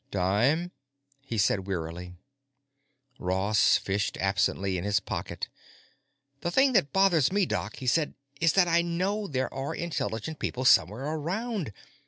"Dime?" he said wearily. Ross fished absently in his pocket. "The thing that bothers me, Doc," he said, "is that I know there are intelligent people somewhere around.